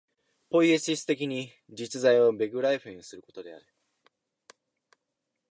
ポイエシス的に実在をベグライフェンすることである。